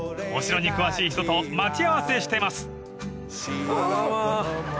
［お城に詳しい人と待ち合わせしてます］